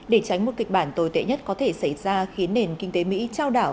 để tránh một kịch bản tồi tệ nhất có thể xảy ra khiến nền kinh tế mỹ trao đảo